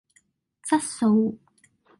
質素